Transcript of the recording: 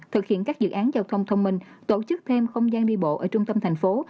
thực hiện các dự án giao thông thông minh tổ chức thêm không gian đi bộ ở trung tâm thành phố